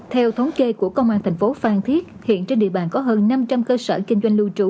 theo thống kê của công an thành phố phan thiết hiện trên địa bàn có hơn năm trăm linh cơ sở kinh doanh lưu trú